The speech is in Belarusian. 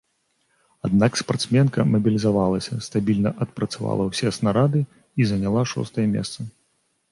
Аднак спартсменка мабілізавалася, стабільна адпрацавала ўсе снарады і заняла шостае месца.